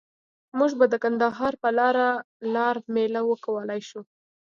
مونږ به د کندهار په لاره لار میله وکولای شو.